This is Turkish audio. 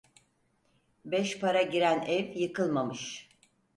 Beş para giren ev yıkılmamış.